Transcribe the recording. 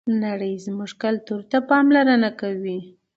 نړۍ زموږ کلتور ته پاملرنه کوي.